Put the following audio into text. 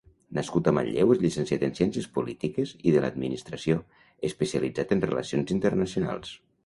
Nascut a Manlleu, és llicenciat en Ciències Polítiques i de l’Administració, especialitzat en Relacions Internacionals.